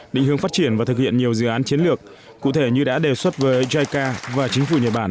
định hướng phát triển và thực hiện nhiều dự án chiến lược cụ thể như đã đề xuất với jica và chính phủ nhật bản